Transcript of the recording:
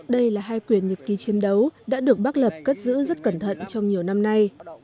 đây là hai quyền nhật ký chiến đấu đã được bác lập cất giữ rất cẩn thận trong nhiều năm nay